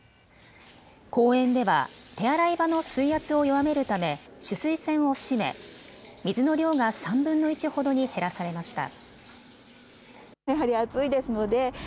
公園では手洗い場の水圧を弱めるため取水栓を締め、水の量が３分の１ほどに減らされました。